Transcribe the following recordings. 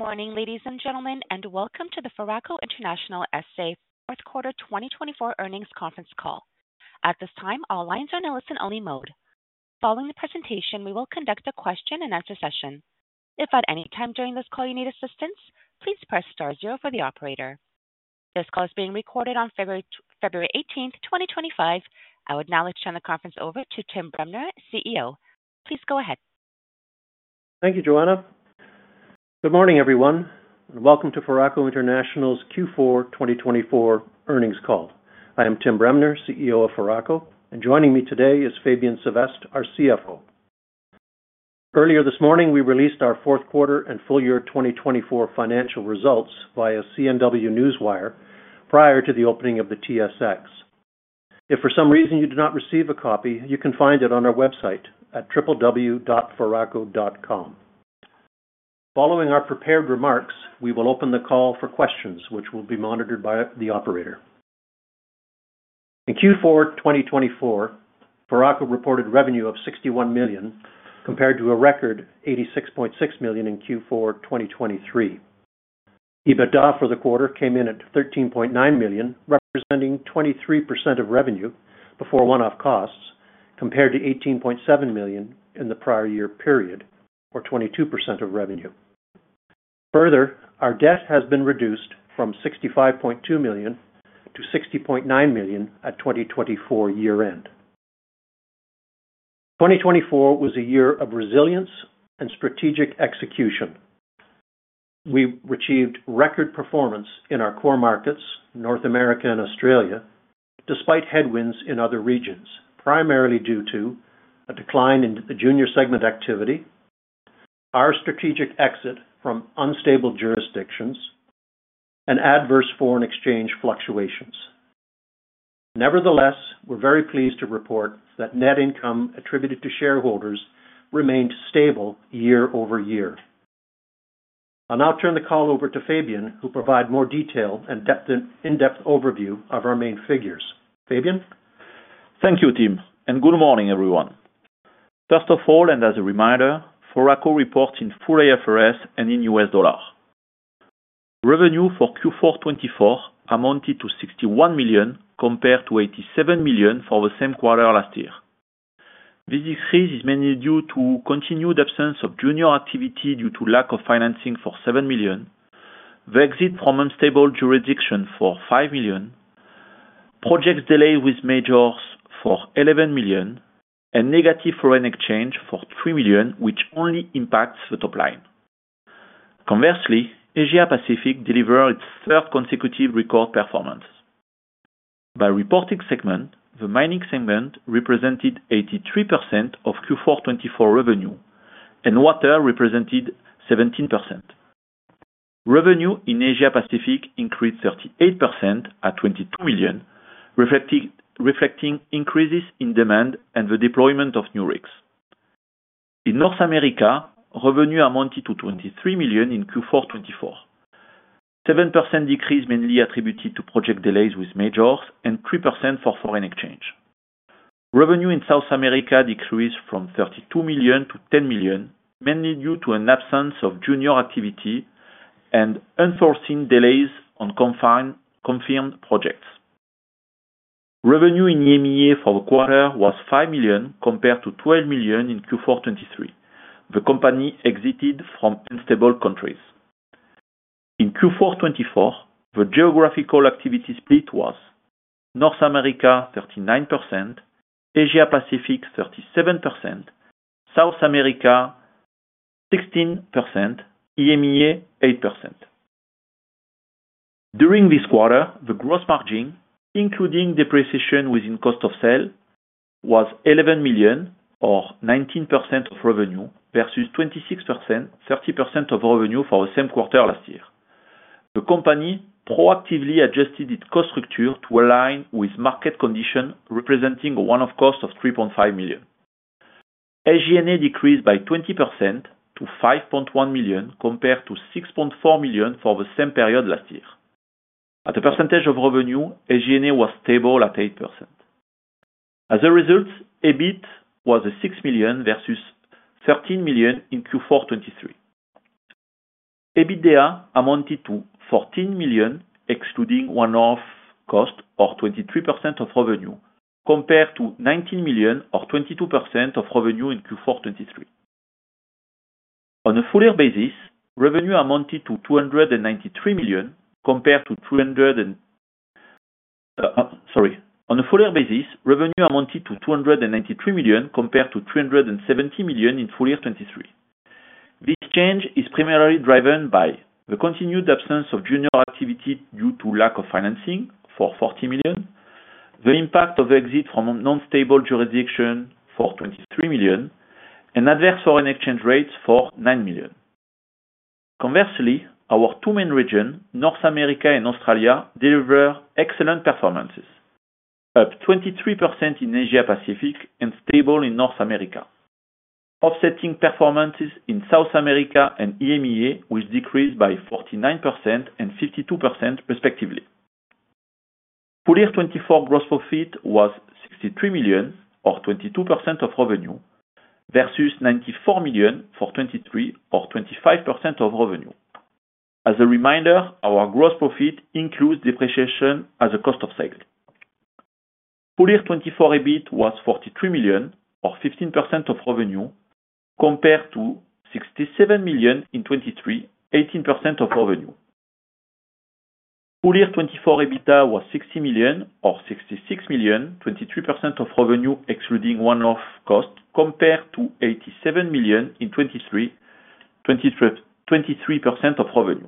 Good morning, ladies and gentlemen, and welcome to the Foraco International SA Q4 2024 Earnings Conference Call. At this time, all lines are in a listen-only mode. Following the presentation, we will conduct a question-and-answer session. If at any time during this call you need assistance, please press star zero for the operator. This call is being recorded on February 18, 2025. I would now like to turn the conference over to Tim Bremner, CEO. Please go ahead. Thank you, Joanna. Good morning, everyone, and welcome to Foraco International's Q4 2024 Earnings Call. I am Tim Bremner, CEO of Foraco, and joining me today is Fabien Sevestre, our CFO. Earlier this morning, we released our Q4 and full-year 2024 financial results via CNW Newswire prior to the opening of the TSX. If for some reason you did not receive a copy, you can find it on our website at www.foraco.com. Following our prepared remarks, we will open the call for questions, which will be monitored by the operator. In Q4 2024, Foraco reported revenue of $61 million compared to a record $86.6 million in Q4 2023. EBITDA for the quarter came in at $13.9 million, representing 23% of revenue before one-off costs, compared to $18.7 million in the prior year period, or 22% of revenue. Further, our debt has been reduced from $65.2 million- $60.9 million at 2024 year-end. 2024 was a year of resilience and strategic execution. We've achieved record performance in our core markets, North America and Australia, despite headwinds in other regions, primarily due to a decline in the junior segment activity, our strategic exit from unstable jurisdictions, and adverse foreign exchange fluctuations. Nevertheless, we're very pleased to report that net income attributed to shareholders remained stable year over year. I'll now turn the call over to Fabien, who will provide more detail and in-depth overview of our main figures. Fabien? Thank you, Tim, and good morning, everyone. First of all, and as a reminder, Foraco reports in full IFRS and in US dollars. Revenue for Q4 2024 amounted to $61 million compared to $87 million for the same quarter last year. This decrease is mainly due to continued absence of junior activity due to lack of financing for $7 million, the exit from unstable jurisdiction for $5 million, projects delayed with majors for $11 million, and negative foreign exchange for $3 million, which only impacts the top line. Conversely, Asia-Pacific delivered its third consecutive record performance. By reporting segment, the Mining segment represented 83% of Q4 2024 revenue, and Water represented 17%. Revenue in Asia-Pacific increased 38% at $22 million, reflecting increases in demand and the deployment of new rigs. In North America, revenue amounted to $23 million in Q4 2024, a 7% decrease mainly attributed to project delays with majors and 3% for foreign exchange. Revenue in South America decreased from $32 million-$10 million, mainly due to an absence of junior activity and unforeseen delays on confirmed projects. Revenue in EMEA for the quarter was $5 million compared to $12 million in Q4 2023. The company exited from unstable countries. In Q4 2024, the geographical activity split was North America 39%, Asia-Pacific 37%, South America 16%, EMEA 8%. During this quarter, the gross margin, including depreciation within cost of sale, was $11 million, or 19% of revenue, versus $26 million, 30% of revenue for the same quarter last year. The company proactively adjusted its cost structure to align with market conditions, representing a one-off cost of $3.5 million. SG&A decreased by 20% to $5.1 million compared to $6.4 million for the same period last year. At a percentage of revenue, SG&A was stable at 8%. As a result, EBIT was $6 million versus $13 million in Q4 2023. EBITDA amounted to $14 million excluding one-off cost, or 23% of revenue, compared to $19 million or 22% of revenue in Q4 2023. On a full year basis, revenue amounted to $293 million compared to $300. Sorry, on a full year basis, revenue amounted to $293 million compared to $370 million in full year 2023. This change is primarily driven by the continued absence of junior activity due to lack of financing for $40 million, the impact of exit from an unstable jurisdiction for $23 million, and adverse foreign exchange rates for $9 million. Conversely, our two main regions, North America and Australia, delivered excellent performances, up 23% in Asia-Pacific and stable in North America, offsetting performances in South America and EMEA, which decreased by 49% and 52% respectively. Full-year 2024 gross profit was $63 million, or 22% of revenue, versus $94 million for 2023, or 25% of revenue. As a reminder, our gross profit includes depreciation as a cost of sale. Full year 2024 EBIT was $43 million, or 15% of revenue, compared to $67 million in 2023, 18% of revenue. Full-year 2024 EBITDA was $60 million, or $66 million, 23% of revenue excluding one-off cost, compared to $87 million in 2023, 23% of revenue.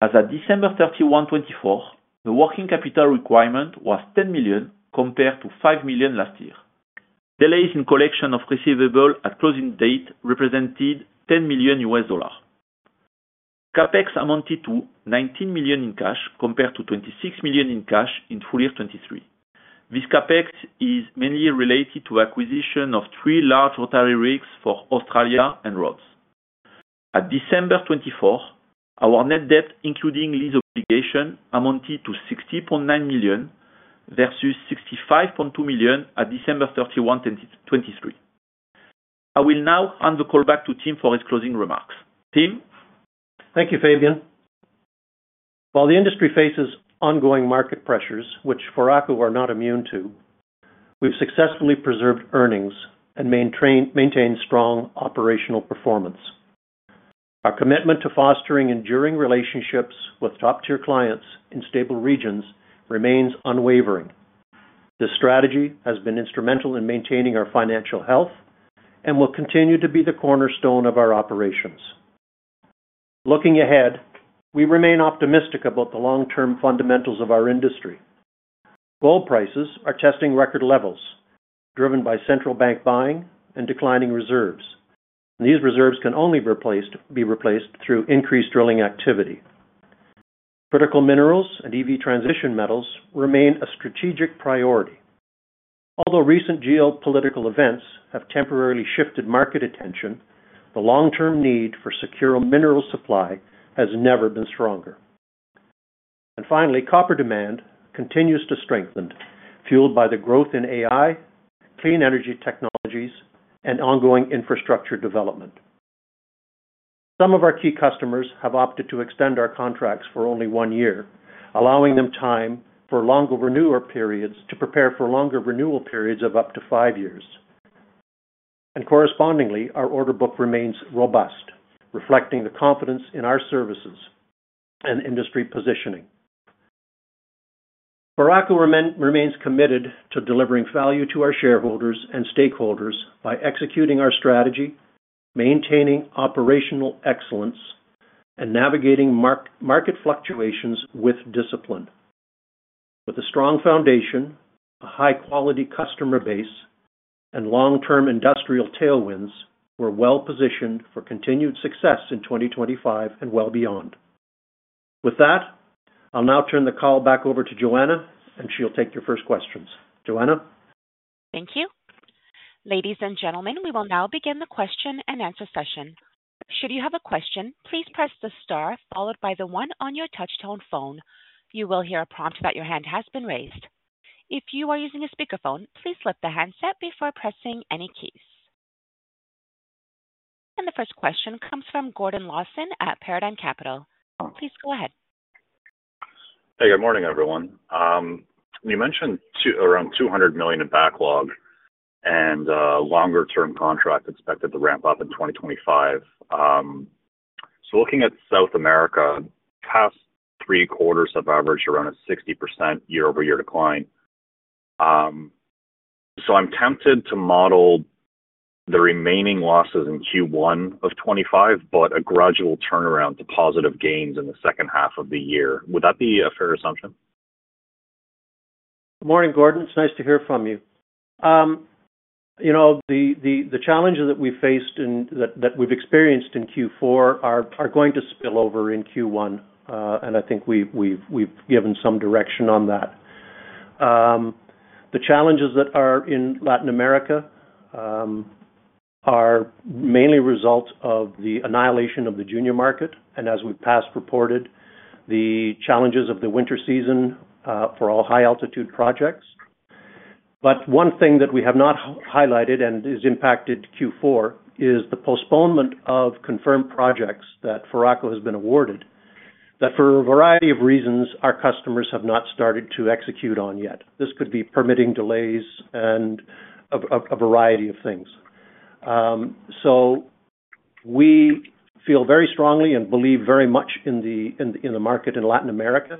As of December 31, 2024, the working capital requirement was $10 million compared to $5 million last year. Delays in collection of receivable at closing date represented $10 million. CapEx amounted to $19 million in cash compared to $26 million in cash in full-year 2023. This CapEx is mainly related to acquisition of three large rotary rigs for Australia and Rhodes. At December 2024, our net debt, including lease obligation, amounted to $60.9 million versus $65.2 million at December 31, 2023. I will now hand the call back to Tim for his closing remarks. Tim? Thank you, Fabien. While the industry faces ongoing market pressures, which Foraco are not immune to, we've successfully preserved earnings and maintained strong operational performance. Our commitment to fostering enduring relationships with top-tier clients in stable regions remains unwavering. This strategy has been instrumental in maintaining our financial health and will continue to be the cornerstone of our operations. Looking ahead, we remain optimistic about the long-term fundamentals of our industry. Gold prices are testing record levels driven by central bank buying and declining reserves. These reserves can only be replaced through increased drilling activity. Critical minerals and EV transition metals remain a strategic priority. Although recent geopolitical events have temporarily shifted market attention, the long-term need for secure mineral supply has never been stronger. Finally, copper demand continues to strengthen, fueled by the growth in AI, clean energy technologies, and ongoing infrastructure development. Some of our key customers have opted to extend our contracts for only one year, allowing them time for longer renewal periods to prepare for longer renewal periods of up to five years. Correspondingly, our order book remains robust, reflecting the confidence in our services and industry positioning. Foraco remains committed to delivering value to our shareholders and stakeholders by executing our strategy, maintaining operational excellence, and navigating market fluctuations with discipline. With a strong foundation, a high-quality customer base, and long-term industrial tailwinds, we're well positioned for continued success in 2025 and well beyond. With that, I'll now turn the call back over to Joanna, and she'll take your first questions. Joanna? Thank you. Ladies and gentlemen, we will now begin the question-and-answer session. Should you have a question, please press the star followed by the one on your touchtone phone. You will hear a prompt that your hand has been raised. If you are using a speakerphone, please flip the handset before pressing any keys. The first question comes from Gordon Lawson at Paradigm Capital. Please go ahead. Hey, good morning, everyone. You mentioned around $200 million in backlog and a longer-term contract expected to ramp up in 2025. Looking at South America, past three quarters have averaged around a 60% year-over-year decline. I'm tempted to model the remaining losses in Q1 of 2025, but a gradual turnaround to positive gains in the second half of the year. Would that be a fair assumption? Good morning, Gordon. It's nice to hear from you. The challenges that we've experienced in Q4 are going to spill over in Q1, and I think we've given some direction on that. The challenges that are in Latin America are mainly a result of the annihilation of the junior market, and as we've past reported, the challenges of the winter season for all high-altitude projects. One thing that we have not highlighted and has impacted Q4 is the postponement of confirmed projects that Foraco has been awarded, that for a variety of reasons, our customers have not started to execute on yet. This could be permitting delays and a variety of things. We feel very strongly and believe very much in the market in Latin America,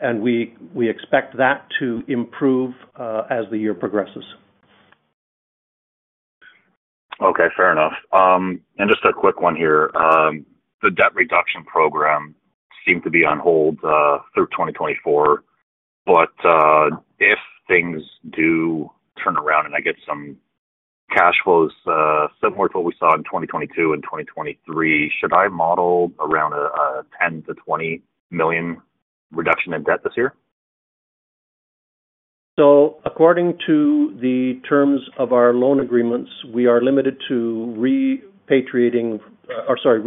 and we expect that to improve as the year progresses. Okay, fair enough. Just a quick one here. The debt reduction program seemed to be on hold through 2024, but if things do turn around and I get some cash flows similar to what we saw in 2022 and 2023, should I model around a $10-20 million reduction in debt this year? According to the terms of our loan agreements, we are limited to repaying $14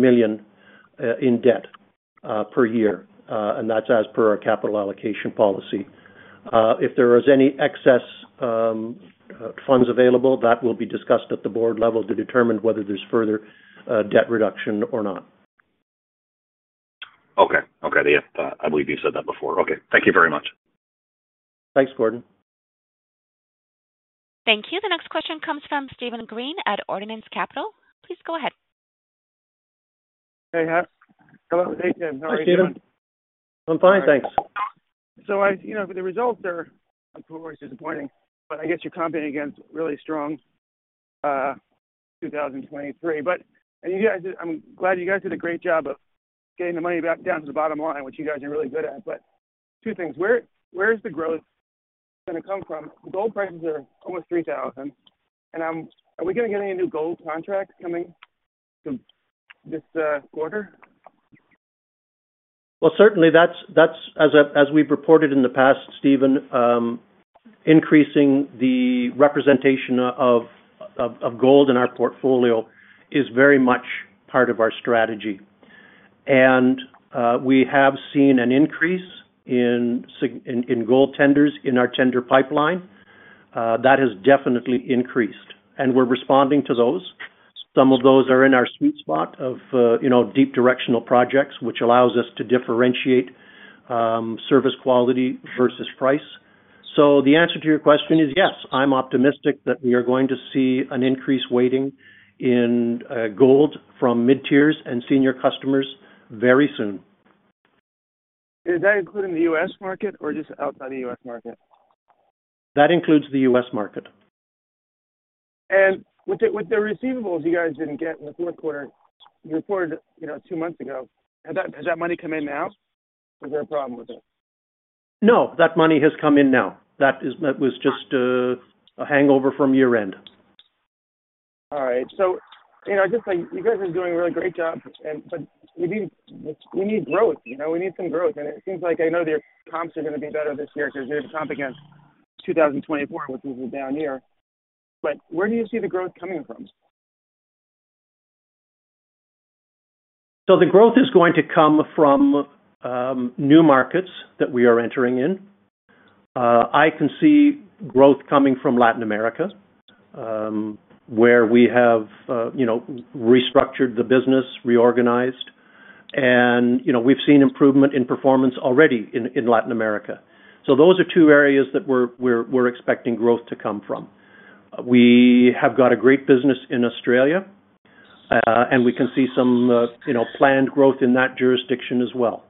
million in debt per year, and that's as per our capital allocation policy. If there is any excess funds available, that will be discussed at the board level to determine whether there's further debt reduction or not. Okay. Okay. I believe you said that before. Okay. Thank you very much. Thanks, Gordon. Thank you. The next question comes from Steven Green at Ordinance Capital. Please go ahead. Hey, hello. Hey, Tim. How are you doing? Hey, Steven. I'm fine, thanks. The results are disappointing, but I guess you're competing against really strong 2023. I'm glad you guys did a great job of getting the money back down to the bottom line, which you guys are really good at. Two things. Where's the growth going to come from? Gold prices are almost $3,000, and are we going to get any new gold contracts coming this quarter? Certainly, as we've reported in the past, Steven, increasing the representation of gold in our portfolio is very much part of our strategy. We have seen an increase in gold tenders in our tender pipeline. That has definitely increased, and we're responding to those. Some of those are in our sweet spot of deep directional projects, which allows us to differentiate service quality versus price. The answer to your question is yes. I'm optimistic that we are going to see an increased weighting in gold from mid-tiers and senior customers very soon. Is that including the U.S. market or just outside the U.S. market? That includes the U.S. market. With the receivables you guys didn't get in the Q4, you reported two months ago. Has that money come in now, or is there a problem with it? No, that money has come in now. That was just a hangover from year-end. All right. You guys are doing a really great job, but we need growth. We need some growth. It seems like I know your comps are going to be better this year because you're going to comp against 2024, which is a down year. Where do you see the growth coming from? The growth is going to come from new markets that we are entering in. I can see growth coming from Latin America, where we have restructured the business, reorganized, and we've seen improvement in performance already in Latin America. Those are two areas that we're expecting growth to come from. We have got a great business in Australia, and we can see some planned growth in that jurisdiction as well.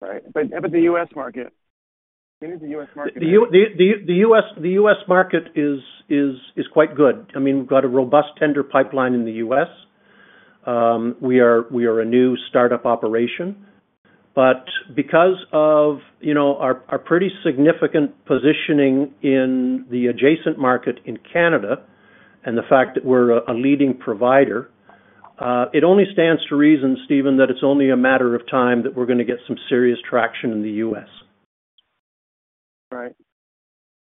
Right. What is the U.S. market? The U.S. market is quite good. I mean, we've got a robust tender pipeline in the U.S. We are a new startup operation. Because of our pretty significant positioning in the adjacent market in Canada and the fact that we're a leading provider, it only stands to reason, Steven, that it's only a matter of time that we're going to get some serious traction in the U.S. Right.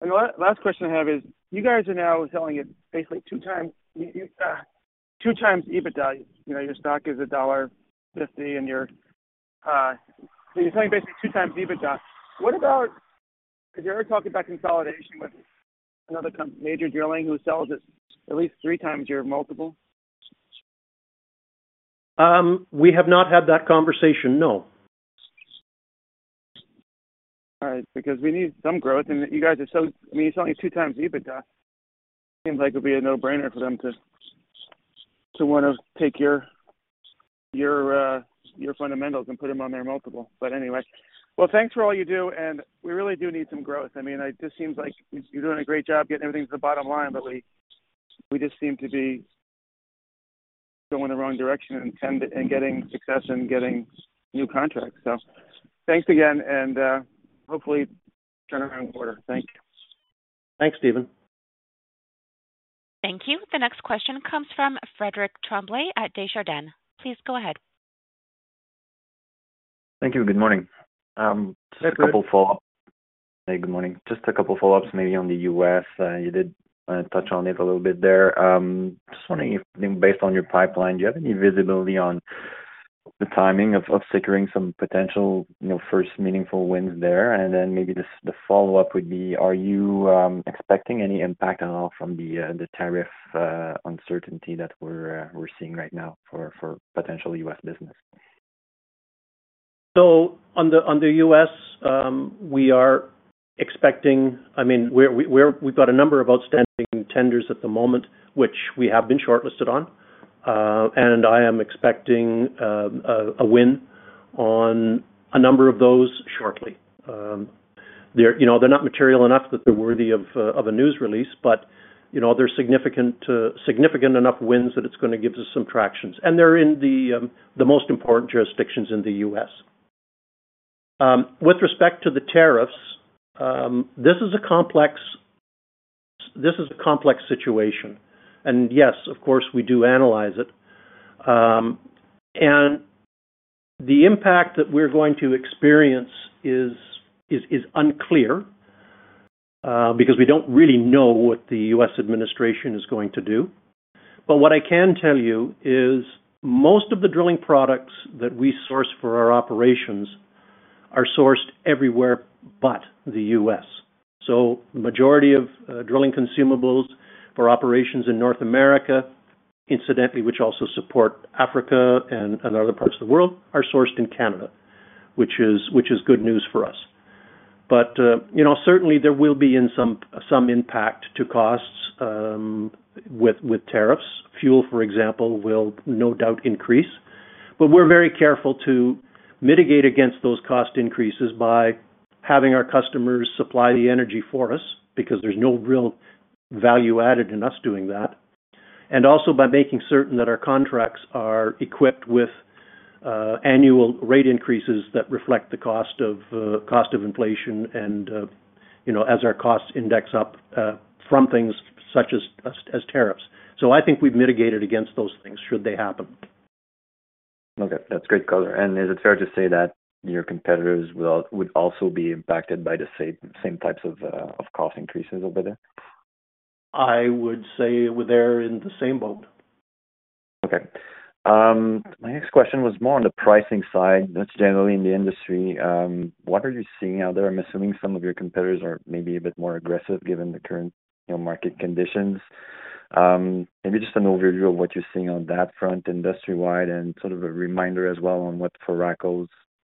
The last question I have is, you guys are now selling at basically two times EBITDA. Your stock is $1.50, and you're selling basically 2x EBITDA. Because you're talking about consolidation with another major drilling who sells at least three times your multiple. We have not had that conversation, no. All right. Because we need some growth, and you guys are selling at 2x EBITDA. It seems like it would be a no-brainer for them to want to take your fundamentals and put them on their multiple. Anyway, thanks for all you do, and we really do need some growth. I mean, it just seems like you're doing a great job getting everything to the bottom line, but we just seem to be going the wrong direction and getting success and getting new contracts. Thanks again, and hopefully turn around quarter. Thank you. Thanks, Steven. Thank you. The next question comes from Frederic Tremblay at Desjardins. Please go ahead. Thank you. Good morning. Just a couple of follow-ups. Hey, good morning. Just a couple of follow-ups maybe on the U.S. You did touch on it a little bit there. Just wondering if, based on your pipeline, do you have any visibility on the timing of securing some potential first meaningful wins there? The follow-up would be, are you expecting any impact at all from the tariff uncertainty that we're seeing right now for potential U.S. business? On the U.S., we are expecting—I mean, we've got a number of outstanding tenders at the moment, which we have been shortlisted on. I am expecting a win on a number of those shortly. They're not material enough that they're worthy of a news release, but they're significant enough wins that it's going to give us some tractions. They're in the most important jurisdictions in the U.S. With respect to the tariffs, this is a complex situation. Yes, of course, we do analyze it. The impact that we're going to experience is unclear because we don't really know what the U.S. administration is going to do. What I can tell you is most of the drilling products that we source for our operations are sourced everywhere but the U.S. The majority of drilling consumables for operations in North America, incidentally, which also support Africa and other parts of the world, are sourced in Canada, which is good news for us. Certainly, there will be some impact to costs with tariffs. Fuel, for example, will no doubt increase. We are very careful to mitigate against those cost increases by having our customers supply the energy for us because there is no real value added in us doing that. Also, by making certain that our contracts are equipped with annual rate increases that reflect the cost of inflation as our costs index up from things such as tariffs. I think we have mitigated against those things should they happen. Okay. That's great, color. Is it fair to say that your competitors would also be impacted by the same types of cost increases over there? I would say they're in the same boat. Okay. My next question was more on the pricing side. That's generally in the industry. What are you seeing out there? I'm assuming some of your competitors are maybe a bit more aggressive given the current market conditions. Maybe just an overview of what you're seeing on that front industry-wide and sort of a reminder as well on what Foraco's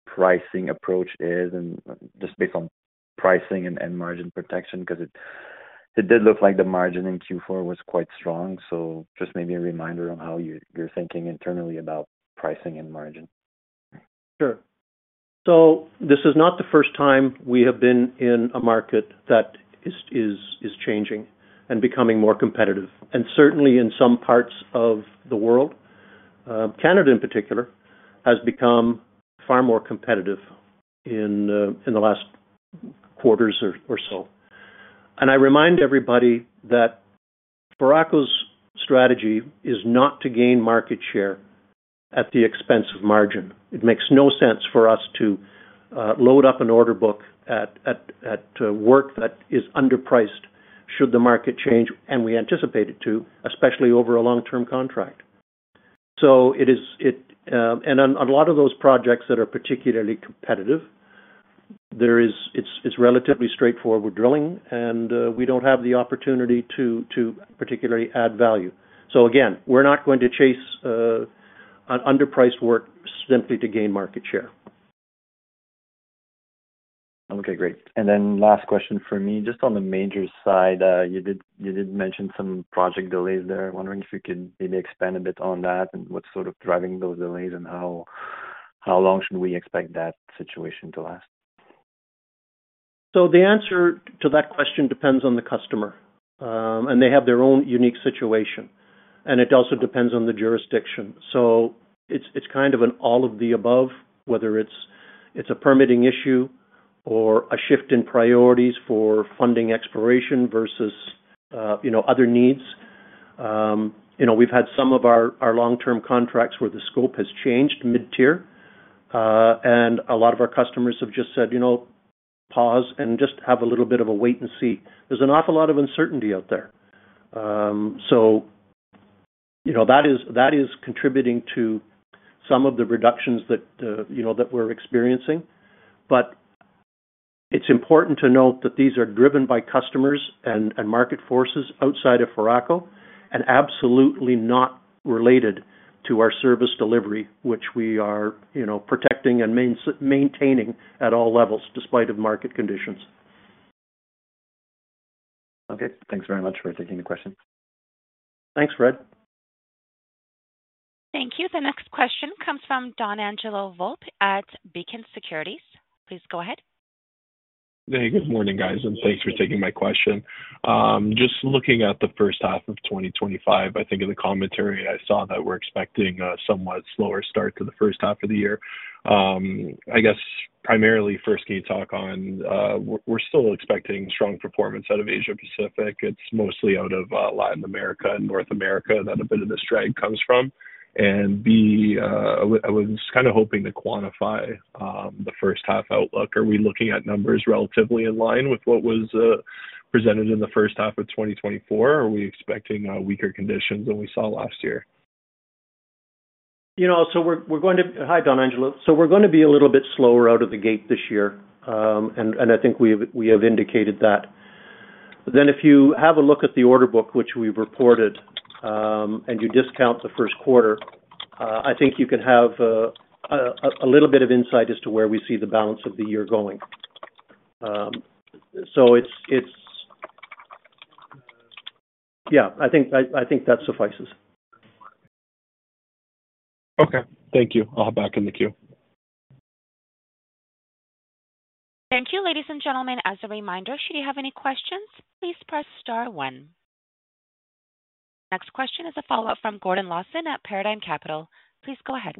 pricing approach is and just based on pricing and margin protection because it did look like the margin in Q4 was quite strong. Just maybe a reminder on how you're thinking internally about pricing and margin. Sure. This is not the first time we have been in a market that is changing and becoming more competitive. Certainly, in some parts of the world, Canada in particular, has become far more competitive in the last quarters or so. I remind everybody that Foraco's strategy is not to gain market share at the expense of margin. It makes no sense for us to load up an order book at work that is underpriced should the market change, and we anticipate it to, especially over a long-term contract. It is, and on a lot of those projects that are particularly competitive, it's relatively straightforward drilling, and we do not have the opportunity to particularly add value. Again, we are not going to chase underpriced work simply to gain market share. Okay. Great. Last question for me. Just on the major side, you did mention some project delays there. I'm wondering if you could maybe expand a bit on that and what's sort of driving those delays and how long should we expect that situation to last? The answer to that question depends on the customer, and they have their own unique situation. It also depends on the jurisdiction. It is kind of an all of the above, whether it is a permitting issue or a shift in priorities for funding exploration versus other needs. We have had some of our long-term contracts where the scope has changed mid-tier, and a lot of our customers have just said, "Pause and just have a little bit of a wait and see." There is an awful lot of uncertainty out there. That is contributing to some of the reductions that we are experiencing. It is important to note that these are driven by customers and market forces outside of Foraco and absolutely not related to our service delivery, which we are protecting and maintaining at all levels despite market conditions. Okay. Thanks very much for taking the question. Thanks, Fred. Thank you. The next question comes from Donangelo Volpe at Beacon Securities. Please go ahead. Hey, good morning, guys, and thanks for taking my question. Just looking at the first half of 2025, I think in the commentary I saw that we're expecting a somewhat slower start to the first half of the year. I guess primarily, first, can you talk on we're still expecting strong performance out of Asia-Pacific. It's mostly out of Latin America and North America that a bit of this drag comes from. I was kind of hoping to quantify the first half outlook. Are we looking at numbers relatively in line with what was presented in the first half of 2024, or are we expecting weaker conditions than we saw last year? Hi, Donangelo. We are going to be a little bit slower out of the gate this year, and I think we have indicated that. If you have a look at the order book, which we have reported, and you discount the Q1, I think you can have a little bit of insight as to where we see the balance of the year going. I think that suffices. Okay. Thank you. I'll hop back in the queue. Thank you. Ladies and gentlemen, as a reminder, should you have any questions, please press star one. Next question is a follow-up from Gordon Lawson at Paradigm Capital. Please go ahead.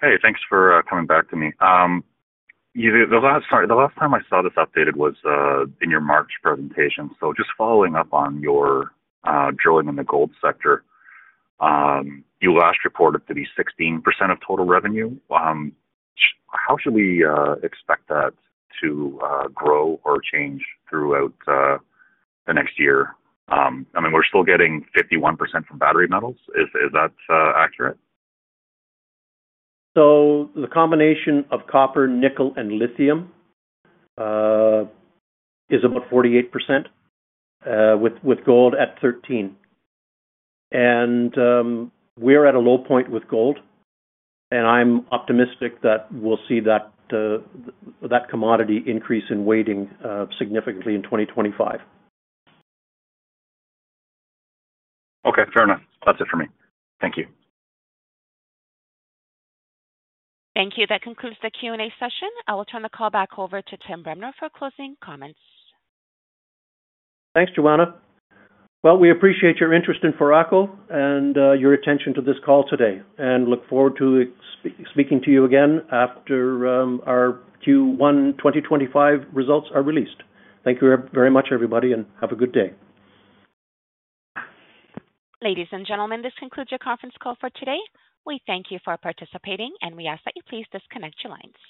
Hey, thanks for coming back to me. The last time I saw this updated was in your March presentation. Just following up on your drilling in the gold sector, you last reported to be 16% of total revenue. How should we expect that to grow or change throughout the next year? I mean, we're still getting 51% from battery metals. Is that accurate? The combination of copper, nickel, and lithium is about 48%, with gold at 13%. We're at a low point with gold, and I'm optimistic that we'll see that commodity increase in weighting significantly in 2025. Okay. Fair enough. That's it for me. Thank you. Thank you. That concludes the Q&A session. I will turn the call back over to Tim Bremner for closing comments. Thanks, Joanna. We appreciate your interest in Foraco and your attention to this call today and look forward to speaking to you again after our Q1 2025 results are released. Thank you very much, everybody, and have a good day. Ladies and gentlemen, this concludes your conference call for today. We thank you for participating, and we ask that you please disconnect your lines.